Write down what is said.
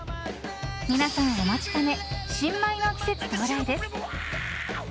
皆さんお待ちかね新米の季節到来です。